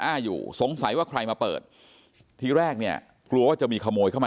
อ้าอยู่สงสัยว่าใครมาเปิดทีแรกเนี่ยกลัวว่าจะมีขโมยเข้ามา